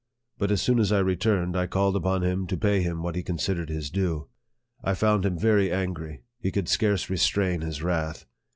But as soon as I returned, I called upon him to pay him what he considered his due. I found him very angry ; he could scarce restrain his wrath.